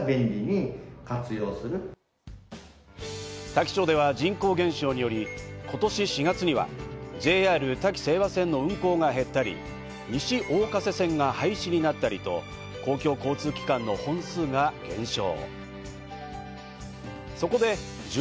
多気町では人口減少により今年４月にはＪＲ多気勢和線の運行が減ったり西相鹿瀬線が廃止になったりと公共交通機関の本数が減少。